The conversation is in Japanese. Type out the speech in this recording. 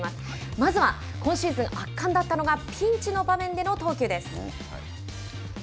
まずは今シーズン圧巻だったのがピンチの場面での投球です。